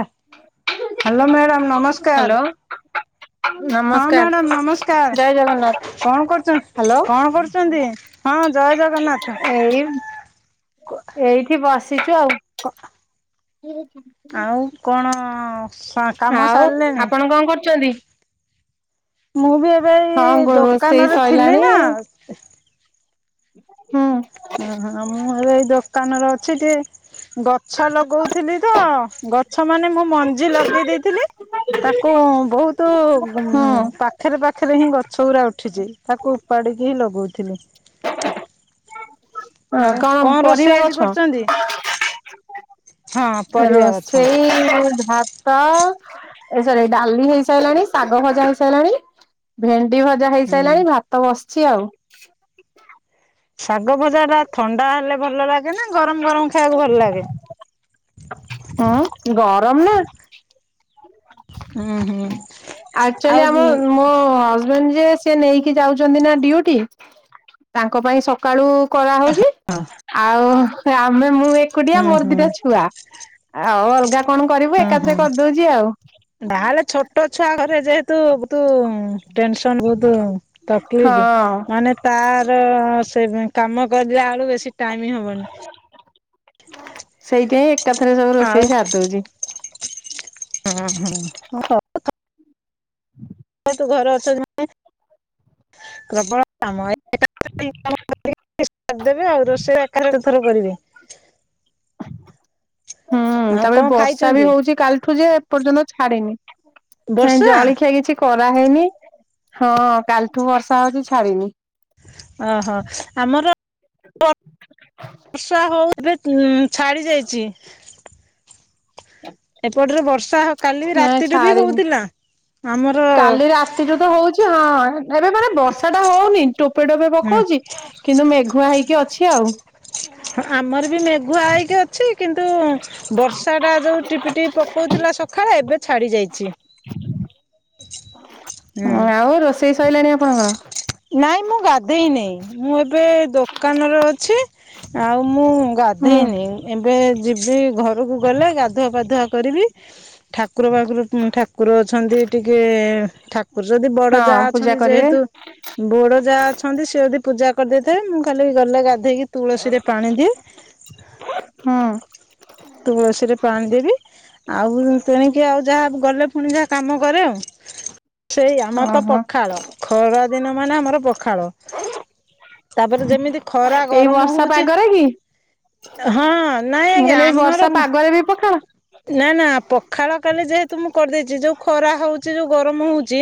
Hello madam hello ନମସ୍କାର। ହଁ ନମସ୍କାର ମ୍ୟାଡ଼ାମ ନମସ୍କାର। ଜୟ ଜଗନ୍ନାଥ। କଣ କରୁଚ ହ୍ୟାଲୋ କଣ କରୁଛନ୍ତି? ହଁ ଜୟ ଜଗ ଏଇ ଏଇଠି ବସିଛୁ ଆଉ। [unintelligible] ଆଉ କଣ କାମ ସାରିଲେଣି? ତୁ କଣ କରୁଚୁ କି? ମୁଁ ବି ଏବେ ହଁ ଏଇ ଗୋ ରୋଷେଇ ଦୋକାନରେ ଥିଲି ସଇଲାଣି ନା ହୁଁ। ଓହୋ ମୁଁ ଏବେ ଏଇ ଦୋକାନରେ ଅଛି, ଟି ଗଛ ଲଗଉଥିଲି ତ ଗଛ ମାନେ ମୁଁ ମଞ୍ଜି ଲଗେଇ ଦେଇଥିଲି ତାକୁ ବହୁତ ପା ହଁ ପାଖରେ ପାଖରେ ହିଁ ଗଛଗୁଡ଼ା ଉଠିଛି ତାକୁ ଉପାଡ଼ିକି ହିଁ ଲଗଉଚି। ଆଉ କଣ ପରିବା ରୋଷେଇ ଗଛ? ଆଜି କରିଛନ୍ତି? ଗଛ ରୋଷେଇ ଭା ତ ଏ ସରି ଡାଲି ହେଇସାରିଲାଣି, ଶାଗ ଭଜା ହେଇସାରିଲାଣି। ଭେଣ୍ଡି ଭଜା ହୁଁ ହେଇସାରିଲାଣି ଭାତ ବସିଛି ଆଉ। ଶାଗ ଭଜା ଟା ଥଣ୍ଡା ହେଲେ ଭଲ ଲାଗେ ନା ଗରମ ଗରମ ଖାଇବାକୁ ଭଲ ଲାଗେ? ହଁ ଗରମ ନା। ହୁଁ ହୁଁ। ଆକଚୁଲି ଆଉ ଆମ ହୁଁ ମୋ ହଜବେଣ୍ଡ ଯିଏ ସିଏ ନେଇକି ଯାଉଛନ୍ତି ନା ଡିଉଟି ତାଙ୍କ ପାଇଁ ସକାଳୁ କରାହଉଛି ଆଉ ଆମେ ମୁଁ ଏ ଏକୁଟିଆ ହୁଁ ମୋର ଦିଟା ହୁଁ ଛୁଆ ଆଉ ଅଲଗା କଣ କରିବୁ ହୁଁ। ଏକାଥରେ କରିଦେଉଛି ଆଉ। ତାହେଲେ ଛୋଟ ଛୋଟ ଛୁଆଙ୍କର ଯେହେତୁ ବୁ ଟେନସନ ବହୁତ ତକଲିଫ ହଁ ମାନେ ତାର ସେ କାମ କରିଲା ବେଳକୁ ବେଶୀ ଟାଇମି ହେବନି। ସେଇଥିପାଇଁ ଏକା ଥରେ ସବୁ ଆଉ ରୋଷେଇ ସାରି ଦଉଛି। ହଁ ହୁଁ ହଉ। [inaudible] ତୁ ଘରେ ଅଛ [unintelligible] ପ୍ରବଳ କାମ। ଦେବେ [unintelligible] ଆଉ ରୋଷେଇ ଏକରେ ଥର କର। ହୁଁ ଆଉ କଣ ତାପରେ ବର୍ଷା ବି ଖାଇଛନ୍ତି ହଉଛି କାଲିଠୁ ଯେ ଏପର୍ଯ୍ୟନ୍ତ ଛାଡିନି। ନାଇଁ ବର୍ଷା ଜଳଖିଆ କିଛି କରାହେଇନି। ହଁ କାଲିଠୁ ବର୍ଷା ହଉଛି ଛାଡିନି। ଓହୋ ଆମର [inaudible] ବର୍ଷା ହଉ ଛାଡି ଯାଇଛି। ଏପଟରେ ବର୍ଷା କାଲି ନାଇଁ ରାତିଠୁବି ଛାଡିନି ହଉଥିଲା। ଆମର କାଲି ରାତିଠୁ ତ ହଉଛି ହଁ ଏରା ମାନେ ବର୍ଷା ଟାତ ହଉନି ଟୋପେ ଟୋପେ ହୁଁ ପକଉଛି। କିନ୍ତୁ ମେଘୁଆ ହେଇକି ଅଛି ଆଉ। ଆମର ବି ମେଘୁଆ ହେଇକି ଅ ଅଛି କିନ୍ତୁ ବର୍ଷାଟା ଯୋଉ ଟିପିଟିପି ପକାଉଥିଲା ସକାଳେ ଏବେ ଛାଡ଼ି ଯାଇଛି। ହୁଁ ଆଉ ରୋଷେଇ ସଇଲାଣି ଆପଣଙ୍କର। ନାଇଁ ମୁଁ ଗାଧେଇନି। ମୁଁ ଏବେ ଦୋକାନରେ ଅଛି। ଆଉ ମୁଁ ହୁଁ ଗାଧେଇନି ଏବେ ଯିବି। ସେଇ ଘରକୁ ଗଲେ ଗାଧୁଆ ପାଧୁଆ କରିବି। ଠାକୁର ବାକୁର ଠା ଠାକୁର ଅଛନ୍ତି ଟିକେ ଠାକୁର ଯଦି ବଡ ଯା ହଁ ପୂଜା ଅଛନ୍ତି କରିବେ ଯେହେତୁ ବୋଡ ଯାହା ଅଛନ୍ତି ସେ ଯଦି ପୂଜା କରିଦେଇଥିବେ ମୁଁ ଖାଲି ଗଲେ ଗାଧେ ଦେଇ କିରେ ତୁଳସୀ ରେ ପାଣି ଦିଏ। ହୁଁ ତୁଳସୀରେ ପାଣି ଦେବି ଆଉ ତେଣିକି ଆଉ ଯାହା ଗଲେ ପୁଣି ଯାହା କାମ କରେ ସେଇ ଆମର ତ ଓହୋ ପଖାଳ। ଖରା ଦିନ ମାନେ ଆମର ପଖାଳ। ତାପରେ ଯେମିତି ଖରା ଏଇ ଗରମ ବର୍ଷା ହଉଚି। ପାଗରେ କି? ହଁ ନାଇଁ ମୁଁ ଆଜ୍ଞା କହିଲି ଏଇ ବର୍ଷା ଆମର ପାଗରେ ବି ପଖାଳ ନା ନା ପଖାଳ କାଲି ଯେହେତୁ ମୁଁ କରିଦେଇଛି ଯୋଉ ଖରା ହଉଛି ଯୋଉ ଗରମ ହଉଛି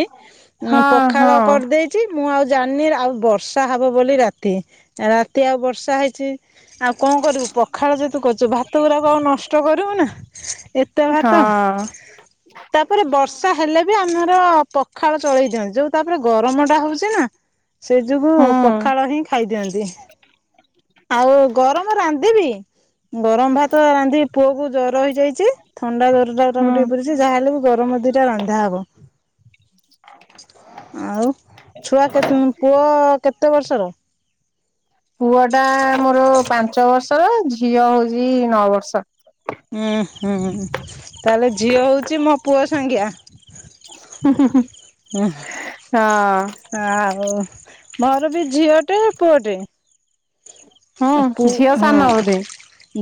ଉଁ ହଁ ପଖାଳ ହଁ କରିଦେଇ ଛି ମୁଁ ଆଉ ଜାଣିନି ଆଉ ବର୍ଷା ହବ ବୋଲି ରାତି ରାତି ଆଉ ବର୍ଷା ହେଇଛି। ଆଉ କଣ କରିବୁ ପଖାଳ ଯେହେତୁ କରୁଛୁ ଭାତ ଗୁଡାକ ଆଉ ନଷ୍ଟ କରିବୁ ନା। ଏତେ ଭାତ। ହଁ। ତାପରେ ବର୍ ବର୍ଷା ହେଲେ ବି ଆମର ପଖାଳ ଚଳେଇ ଦିଅନ୍ତି ଯୋଉ ତାପରେ ଗରମ ଟା ହଉଛି ନା। ସେ ଯୋଗୁ ହୁଁ ପଖାଳ ହିଁ ଖାଇ ଦିଅନ୍ତି। ଆଉ ଗରମ ରାନ୍ଧିବି। ଗରମ ଭାତ ରାନ୍ଧିବି ପୁଅ କୁ ଜର ହେଇଯାଇଛି। ଥଣ୍ଡା ଦରଟା ଟାକୁ ହୁଁ ଟିକେ ପରିଛି ଯାହାହେଲେ ବି ଗରମ ଦିଟା ରନ୍ଧା ହବ। ଆଉ ଛୁଆ କେ ପୁଅ କେତେ ବର୍ଷର? ପୁଅ ଟା ମୋର ପାଞ୍ଚ ବର୍ଷର ଝିଅ ହଉଛି ନଅ ବର୍ଷ ର। ଉଁ ହୁଁ ତାହେଲେ ଝିଅ ହଉଛି ମୋ ପୁଅ ସାଙ୍ଗିଆ। ହୁଁ ହୁଁ ହୁଁ। ଉଁ ହଁ। ଆଉ ମୋର ବି ଝିଅ ଟେ ପୁଅ ଟେ। ହୁଁ ଆ ପୁ ଝିଅ ହଁ। ସାନ ବୋଧେ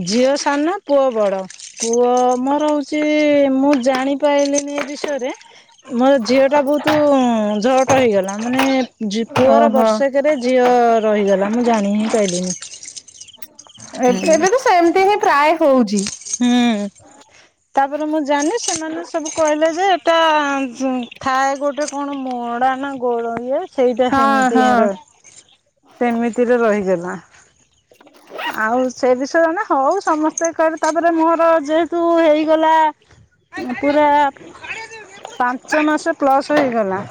ଝିଅ ସାନ ପୁଅ ବଡ଼ ପୁଅ ମୋର ହଉଛି ମୁଁ ଜାଣି ପାଇଲିନି ଏ ବିଷୟରେ। ମୋର ଝିଅ ଟା ବହୁତ ଝଅଟ ହେଇଗଲା। ମାନେ ପୁଅର ଓହୋ ବର୍ଷେ କେରେ ଝିଅ ରହିଗଲା ମୁଁ ଜାଣି ହିଁ ପାଇଲିନି। ଏ ହୁଁ। ଏବେ ତ ସେମିତି ହିଁ ପ୍ରାୟ ହଉଚି। ହୁଁ, ତାପରେ ମୁଁ ଜାଣିନି, ସେମାନେ ସବୁ କହିଲେ ଯେ ଏଟା ହୁଁ, ଥାଏ ଗୋ ଟେ କଣ ମଡା ନା ଗୋଳ ଇଏ ସେଇଟା ହଁ ସେମିତି ହଁ ହିଁ ରଏ ସେମିତିରେ ରହିଗଲା। [inaudible] ଆଉ ସେ ବିଷୟରେ ଆମେ ହଉ ସମସ୍ତେ କହିବେ ତାପରେ ମୋର ଯେହେ ତୁ ହେଇଗଲା ପୁରା ପାଞ୍ଚ ମାସ ପ୍ଲସ୍ ହୋଇଗଲା।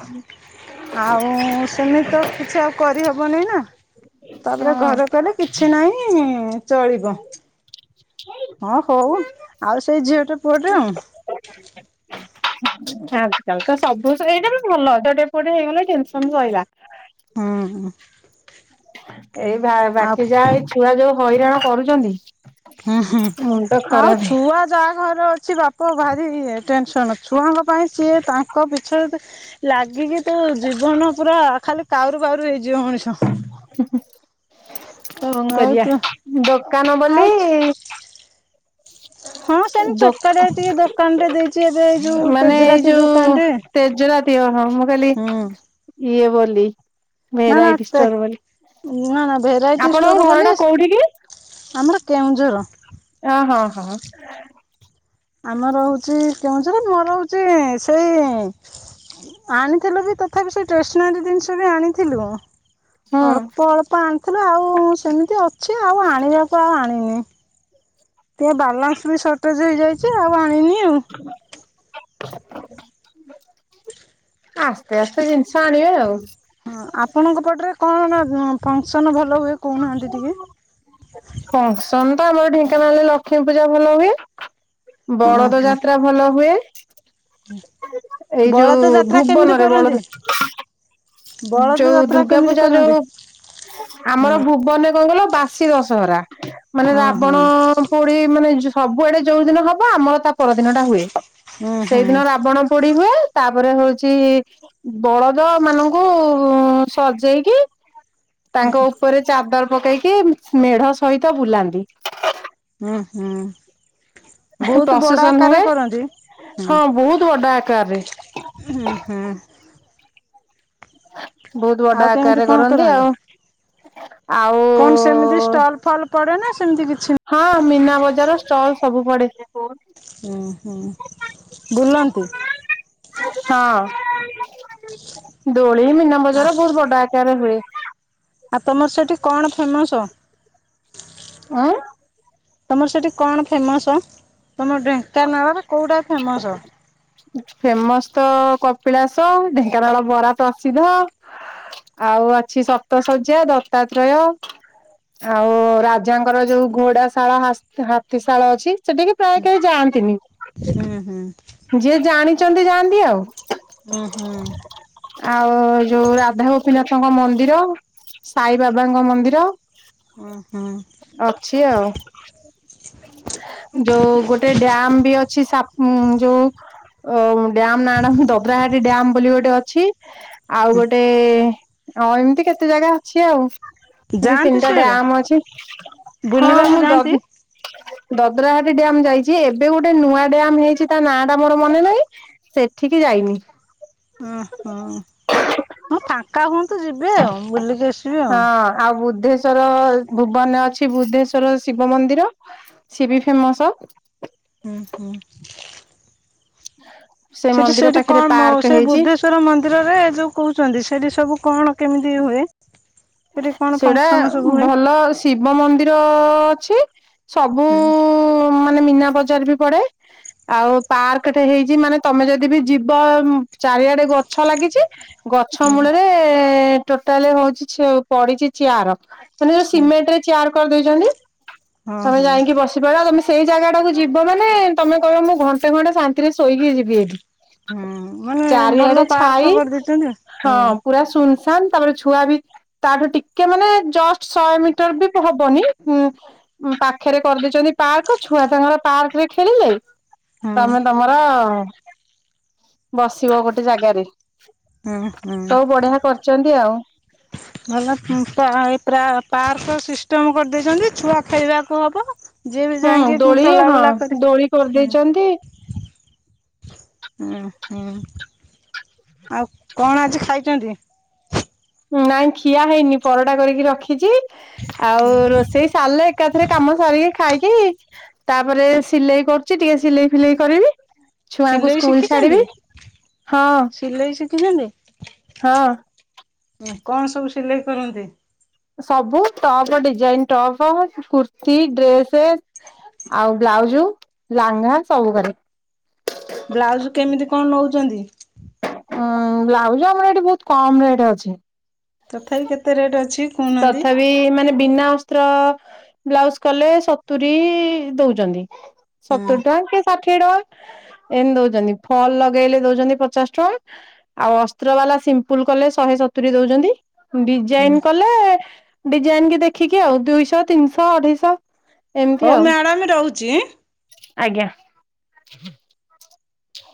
ଆଉ ସେମିତି ତ କିଛି ଆଉ କରିହବନି ନା, ତାପରେ ହଁ ଘରେ କହିଲେ ସେ ନାହିଁ ଚଳିବ। ହଁ ହଉ ଆଉ ସେଇ ଝିଅଟେ ପୁଅ ଟେ ଆଉ। ଆଜିକାଲି ତ ସବୁ ସେଇଟାରେ ବି ଭଲ ଝିଅଟେ ପୁଅଟେ ହେଇଗଲା ଟେନସନ୍ ସଇଲା। ହଁ, ହଁ। ଏଇ ଭା ବାକି ଯାହା ଏଇ ଛୁଆ ଯୋଉ ହଇରାଣ କରୁଚନ୍ତି। ହୁଁ, ହୁଁ ଆଉ ଛୁଆ ଯାହା ଘରେ ଅଛି ବାପ ଭାରି ଇଏ ଟେନସନ୍, ଛୁଆଙ୍କ ପାଇଁ ସିଏ ତାଙ୍କ ପିଛରେ ତ ଲାଗିକି ତୁ ଜୀବନ ପୁରା ଖାଲି କାଉରୁ ବାଉରୁ ହେଇଯିବ ମଣିଷ। କଣ ହଉ କରିବା? ତୁ ଦୋକାନ ବୋଲି ଆଉ [unintelligible] ହଁ ସେମତି ଦୋ ଛୋଟ କାଟିଆ ଟିକେ ଦୋକାନ ଟେ ଦେଇଚି ଏବେ ଏଇ ଯୋଉ ମାନେ ଏଇ ତେଜରାତି ଯୋଉ ଦୋକାନ ଟେ। ତେଜରାତି ଅ, ହଁ ମୁଁ କହିଲି ଇଏ ବୋଲି ନା ନା ଭେରାଇଟି ତେ ଷ୍ଟୋର୍ ବୋଲି, ନା ନା ଭେରାଇଟି ଷ୍ଟୋର ଆପଣଙ୍କ ଘର ବୋଲି ଟା କୋଉଠି କି? ଆମର କେଉଁଝର। ଅଁ, ହଁ, ହଁ। ଆମର ହଉଛି କେଉଁଝର, ମୁଁ ରହୁଚି ସେଇଁ ଆଣିଥିଲୁ ବି ତଥାପି ସେ ଷ୍ଟେସନାରୀ ଜିନିଷ ବି ଆଣିଥିଲୁ। ହୁଁ ଅଳ୍ପ ଅଳ୍ପ ଆଣିଥିଲୁ ଆଉ ସେମିତି ଅଛି, ଆଉ ଆଣିବାକୁ ଆଉ ଆଣିନି। ଟିକେ ବାଲାନ୍ସ ବି ସର୍ଟେଜ୍ ହେଇଯାଇଛି ଆଉ ଆଣିନି। ଆଉ [inaudible] ଆସ୍ତେ ଆସ୍ତେ ଜିନିଷ ଆଣିବେ ଆଉ। ହଁ ଆପଣଙ୍କ ପଟରେ କଣ ଅଁ, ଫଙ୍କସନ୍ ଭଲ ହୁଏ କହୁନାହାନ୍ତି ଟିକେ? ଫଙ୍କସନ୍ ତ ଆମର ଢେଙ୍କାନାଳରେ ଲକ୍ଷ୍ମୀ ପୂଜା ଭଲ ହୁଏ। ହଁ ବଳଦ ହଁ ଯାତ୍ରା ଭଲ ହୁଏ। [unintelligible] ଏଇ ଯୋଉ ବଳଦ ଯାତ୍ରା କେମିତି ଭୁବନରେ କରନ୍ତି ବଳଦ ବଳଦ ଯୋଉ ଯାତ୍ରା ଦୁର୍ଗା କେମିତି ପୂଜା କରନ୍ତି ଯୋଉ ଆମର ହଁ ଭୁବ ବନେ କଣ କହିଲ ବାସି ଦଶହରା, ମାନେ ହଁ ହଁ ରାବଣ ଅଁ, ପୁଡି, ମାନେ ଯୋ ସବୁଆଡେ ଯୋଉ ଦିନ ହବ ଆମର ତା ପରଦିନ ଟା ହୁଏ, ହୁଁ ସେଇ ହୁଁ ଦିନ ରାବଣ ପୋଡି ହୁଏ, ତାପରେ ହଉଛି ବଳଦ ମାନଙ୍କ କୁ ସଜେଇକି ତାଙ୍କ ଉପରେ ଚାଦର ପକେଇକି ମେଢ ସହିତ ବୁଲାନ୍ତି। ହୁଁ, ହୁଁ। ବହୁତ ବଡ ପ୍ରସେସନ ଆକାର ହୁଏ। କରନ୍ତି? ଉଁ ହଁ ବହୁତ ବଡ ଆକାରରେ ହୁଁ ହୁଁ। ବହୁତ ବଡ ଆଉ କେମିତି ଆକାରରେ କଣ କରନ୍ତି ଆଉ ଆଉ କଣ ସେମିତି ଷ୍ଟଲ୍ ଫଲ ପଡେ ନା ସେମିତି କିଛି ହଁ ମୀନା ବଜାର ଷ୍ଟଲ ସବୁ ପଡେ ସେ କୁହନ୍ତି। ଉଁ ହୁଁ ବୁଲନ୍ତି। ହଁ ଦୋଳି ମୀନା ଆ ବଜାରା ବହୁତ ବଡ ଆକାରରେ ହୁଏ। ଆ ତମର ସେଇଠି କଣ ଫେମସ୍? ଆଁ ତମର ସେଠି କଣ ଫେମସ ତମ ଢେଙ୍କାନାଳରେ କଉଟା ଫେମସ? ଫେମସ ତ କପିଳାସ ଢେଙ୍କାନାଳ ବରା ପ୍ରସିଦ୍ଧ। ଆଉ ଅଛି ସପ୍ତ ଶଯ୍ୟା ଦତ୍ତାତ୍ରୟ। ଆଉ ରାଜାଙ୍କର ଯୋଉ ଘୋଡା ଶାଳ ହାସ ହାତୀଶାଳ ଅଛି ସେଠିକି ପ୍ରାୟ କେହି ଯାଆନ୍ତିନି। ହୁଁ ହୁଁ। ଯିଏ ଜାଣିଚନ୍ତି ଯାଆନ୍ତି ଆଉ। ଉଁ ହୁଁ। ଆଉ ଯୋଉ ରାଧା ଗୋପୀନାଥଙ୍କ ମନ୍ଦିର। ସାଇବାବାଙ୍କ ମନ୍ଦିର। ଉଁ ହୁଁ। ଅଛି ଆଉ ଯୋଉ ଗୋ ଟେ ଡ୳। ମ ବି ଅଛି ସାପ ଯୋଉ ଓ ଡ୍ୟାମନା ଆଣ ଦଦ୍ରାହାଡି ଡ୍ୟାମ ବୋଲି ଗୋଟେ ଅଛି। ଆଉ ଗୋଟେ ଅ ଏମିତି କେତେ ଜାଗା ଅଛି ଆଉ। ଦି ଯାଆନ୍ତି ତିନିଟା ସିଆଡ଼େ ଡ୍ୟାମ୍ ଅଛି ହଁ ବୁଲିବାକୁ ମୁଁ ଯାଆନ୍ତି? ଦବି ଦଦ୍ରାହାଟି ଡ୍ୟାମ୍ ଯାଇ ଯିଏ ଏବେ ଗୋଟେ ନୂଆ ଡ୍ୟାମ୍ ହେଇଛି ତା ନାଁ ଟା ମୋର ମନେ ନାହିଁ ସେଠିକି ଯାଇନି। ଅଁ ହଁ ହଁ ଫାଙ୍କା ହୁଅନ୍ତୁ ଯିବେ ଆଉ ବୁଲିକି ଆସି ହଁ ଆଉ ବୁଦ୍ଧେଶ୍ଵର ଭୁବନରେ ଅଛି ବୁଦ୍ଧେଶ୍ଵର ଶିବ ମନ୍ଦିର। ସି ବି ଫେମସ। ଉଁ ହୁଁ। ସେ ସେଠି ମନ୍ଦିର ସେଇଠି କଁ ପାଖରେ ପାର୍କ ସେଇ ହେଇଛି ବୁଦ୍ଧେଶ- ଶ୍ୱର ମନ୍ଦିରରେ ଯୋଉ କହୁଛନ୍ତି ସେଠି ସବୁ କଣ କେମିତି ହୁଏ? ସେଠି କଣ ସେଇଟା ଫଙ୍କସନ ସବୁ ହୁଏ? ଭଲ ଶିବ ମନ୍ଦିର ଅଛି ସବୁ ଉଁ ହୁଁ। ବୁ ମାନେ ମୀନା ବଜାର ବି ପଡେ। ଆଉ ପାର୍କଟେ ହେଇଛି ମାନେ ତମେ ଯଦି ବି ଯିବ ଚାରିଆଡେ ଗଛ ଲାଗିଚି। ଗଛ ହୁଁ ମୂଳରେ ଟୋଟାଲ ହଉଛି ଛି ପଡିଛି ଚିଆର ମାନେ ହୁଁ ସିମେଣ୍ଟରେ ଚେୟାର କରିଦେଇଛନ୍ତି ହଁ ତମେ ହଁ ଯାଇକି ବସି ପାର ତମେ ସେଇ ଜାଗା ଟାକୁ ଯିବ ମାନେ ତମେ କହିବ ମୁଁ ଘଣ୍ଟେ ଘଣ୍ଟେ ଶାନ୍ତିରେ ଶୋଇକି ଯିବି ଏଠି। ହୁଁ ମାନେ ଚାରିଆଡେ ଭଲ ପାର୍କ ଛାଇ କରିଦେଇଛନ୍ତି ହଁ। ହୁଁ ପୁରା ସୁନସନ୍ ତାପରେ ଛୁଆ ବି ତାଠୁ ଟିକେ ମାନେ ଜଷ୍ଟ ଶହେ ମିଟର ବି ହବନିଁ ହୁଁ ପାଖରେ କରିଦେଇଛନ୍ତି ପାର୍କ ଛୁଆ ତାଙ୍କର ପାର୍କରେ ଖେଳିଲେ। ହୁଁ ତମେ ତମର ବସିବ ଗୋଟେ ଜାଗାରେ। ହୁଁ ହୁଁ ସବୁ ବଢିଆ କରିଛନ୍ତି ଆଉ। ଭଲ ପାଇ ପ୍ରାୟ ପାର୍କ ର ସିଷ୍ଟମ କରିଦେଇଛନ୍ତି ଛୁଆ ଖେଳିବାକୁ ହବ। ଯିଏ ବି ହୁଁ ଯାଇକି ଦୋଳି ହଁ ଚଲାବୁଲା କରି ଦୋଳି କରିଦେଇଛନ୍ତି ହୁଁ। ଉଁ ହୁଁ ହୁଁ। ଆଉ କଣ ଆଜି ଖାଇଛନ୍ତି। ନାଇଁ ଖିଆ ହେଇନି ପରଟା କରିକି ରଖିଛି ଆଉ ରୋଷେଇ ସାରିଲେ ଏକାଥରେ କାମ ସାରିକି ଖାଇକି ତାପରେ ସିଲେଇ କରୁଛି ଟିକେ ସିଲେଇ ଫିଲେଇ କରିବି ଛୁଆଙ୍କୁ ସିଲେଇ ସ୍କୁଲ ଛାଡିବି ଶିଖିଛନ୍ତି ହଁ ସିଲେଇ ଶିଖିଛନ୍ତି ହଁ। କଣ ସବୁ ସିଲେଇ କରନ୍ତି? ସବୁ top design top kurti dress ଆଉ ବ୍ଲାଉଜ ଲାଙ୍ଗା ସବୁ କରେ। ବ୍ଲାଉଜ କେମିତି କଣ ନଉଛନ୍ତି। ଉଁ ବ୍ଲାଉଜ ଆମର ଏଠି ବହୁତ କମ ରେଟ ଅଛି। ତଥାପି କେତେ ରେଟ୍ ଅଛି କହୁନାହାନ୍ତି। ଏଇ ମାନେ ବିନା ଅସ୍ତ୍ର ବ୍ଲାଉଜ କଲେ ସତୁରୀ ଦଉଛନ୍ତି। ହଁ ସତୁର ଟଙ୍କା କେ ଷାଠ ଠିଏ ଏମିତି ଦଉଛନ୍ତି ଫଲ ଲଗେଇଲେ ଦଉଛନ୍ତି ପଚାଶ ଟଙ୍କା। ଆଉ ଅସ୍ତ୍ର ବାଲା ସିମ୍ପଲ କଲେ ଶହେ ସତୁରି ଦଉଛନ୍ତି। ଡିଜାଇନ ହଁ କଲେ ଡିଜାଇନ କି ଦେଖିକି ଆଉ ଦୁଇଶହ ତିନିଶହ ଅଢେଇଶହ। ଏମିତି ହଉ ଆଉ ମ୍ୟାଡ଼ାମ ରହୁଛି। ଆଜ୍ଞା। ହ